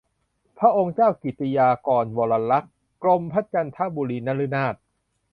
พระองค์เจ้ากิติยากรวรลักษณ์ กรมพระจันทบุรีนฤนาถ